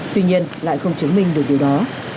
tuy nhiên lại không chứng minh được điều đó